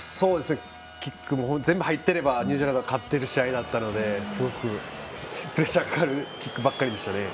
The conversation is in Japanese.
キックが全部入っていればニュージーランドが勝っていた試合だったのですごくプレッシャーがかかるキックばかりでしたね。